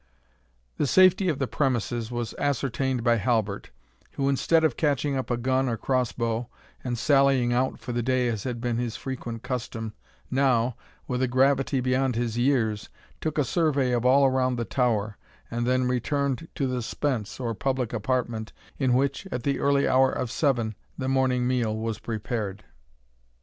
The safety of the premises was ascertained by Halbert, who instead of catching up a gun or cross bow, and sallying out for the day as had been his frequent custom, now, with a gravity beyond his years, took a survey of all around the tower, and then returned to the spence, or public apartment, in which, at the early hour of seven, the morning meal was prepared.